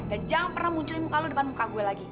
dan jangan pernah munculin muka lo depan muka gue lagi